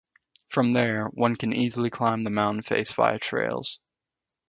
From there, one can easily climb the mountain face via trails.